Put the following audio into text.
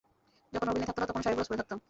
যখন অভিনয় থাকত না, তখনও শাড়ি-ব্লাউজ পরে থাকতাম।